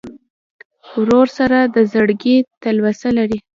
ورور سره د زړګي تلوسه لرې.